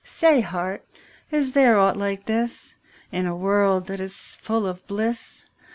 Say, heart, is there aught like this In a world that is full of bliss?